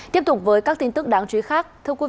tiếp tục với các tin tức đáng chú ý khác